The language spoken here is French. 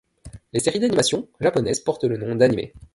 Les séries d'animation japonaises portent le nom d'anime.